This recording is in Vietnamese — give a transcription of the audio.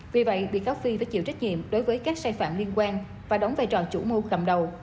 vì vậy bị cáo phi phải chịu trách nhiệm đối với các sai phạm liên quan và đóng vai trò chủ mưu cầm đầu